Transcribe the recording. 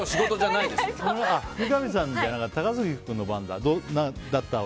三上さんじゃない高杉君の番だった訳？